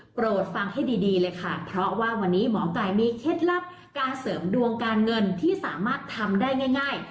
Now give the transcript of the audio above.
โปรดฟังให้ดีดีเลยค่ะเพราะว่าวันนี้หมอไก่มีเคล็ดลับการเสริมดวงการเงินที่สามารถทำได้ง่าย